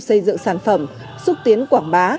xây dựng sản phẩm xúc tiến quảng bá